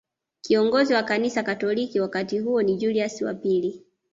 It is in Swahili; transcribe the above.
Kiongozi wa kanisa katoliki wakati huo ni Julius wa pili